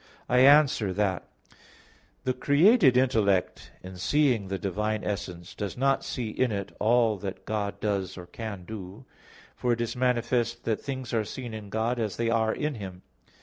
I answer that, The created intellect, in seeing the divine essence, does not see in it all that God does or can do. For it is manifest that things are seen in God as they are in Him.